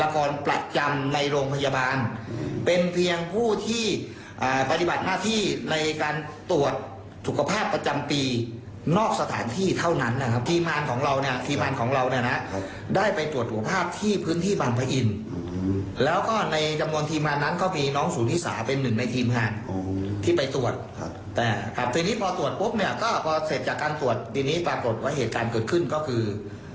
ก็พอเสร็จจากการตรวจทีนี้ปรากฏว่าเหตุการณ์เกิดขึ้นก็คือ